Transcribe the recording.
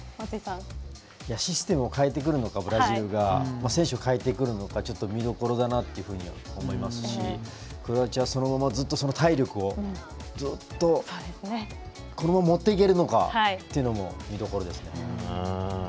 システムを変えてくるのかブラジルが選手を代えてくるのか見どころだなと思いますしクロアチアそのままずっと体力をずっと、このままもっていけるのかというのが見どころですね。